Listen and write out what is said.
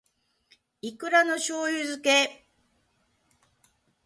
いくらの醬油漬け